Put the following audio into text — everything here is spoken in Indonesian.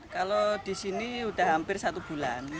kalau di sini sudah hampir satu bulan